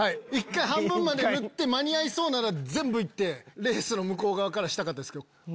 半分まで塗って間に合いそうなら全部行ってレースの向こう側からしたかったんすけど。